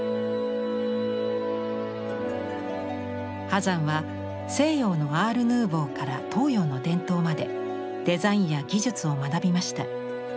波山は西洋のアール・ヌーヴォーから東洋の伝統までデザインや技術を学びました。